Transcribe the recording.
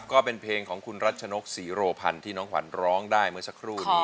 ก็เป็นเพลงของคุณรัชนกศรีโรพันธ์ที่น้องขวัญร้องได้เมื่อสักครู่นี้